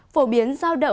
phổ biến giao động